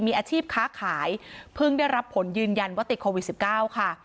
มีอาชีพค้าขายเพิ่งได้รับผลยืนยันว่าติดโควิด๑๙ค่ะ